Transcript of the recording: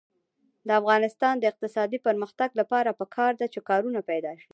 د افغانستان د اقتصادي پرمختګ لپاره پکار ده چې کارونه پیدا شي.